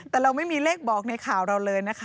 แต่เราไม่มีเลขบอกในข่าวเราเลยนะคะ